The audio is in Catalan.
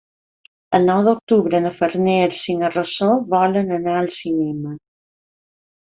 El nou d'octubre na Farners i na Rosó volen anar al cinema.